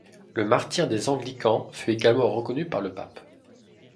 Le martyre des anglicans fut également reconnu par le pape.